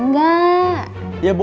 kan gue udah bilangnya